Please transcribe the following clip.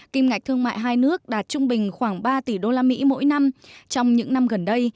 kim ngạch thương mại hai nước đạt trung bình khoảng ba tỷ đô la mỹ mỗi năm trong những năm gần đây